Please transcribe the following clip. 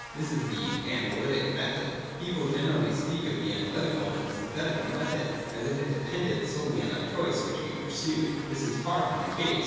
This is the Analytical Method. People generally speak of the analytical and synthetical methods, as if it depended solely on our choice which we pursued. This is far from the case.